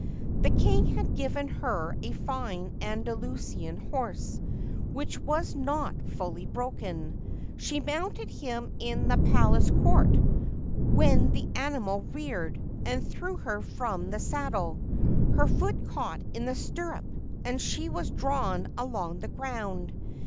The king had given her a fine Andalusian horse, which was not fully broken. She mounted him in the palace court, when the animal reared, and threw her from the saddle. Her foot caught in the stirrup, and she was drawn along the ground.